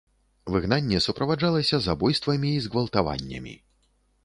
Выгнанне суправаджалася забойствамі і згвалтаваннямі.